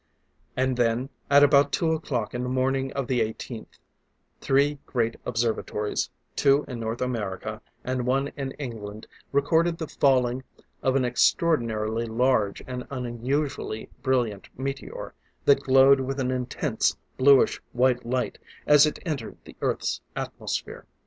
And then, at about two o'clock in the morning of the 18th, three great observatories, two in North America and one in England, recorded the falling of an extraordinarily large and unusually brilliant meteor that glowed with an intense, bluish white light as it entered the Earth's atmosphere.